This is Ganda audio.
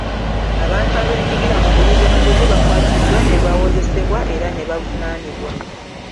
Abantu abeenyigira mu buli bw'enguzzi bakwatiddwa ne bawozesebwa era ne bavunaanibwa.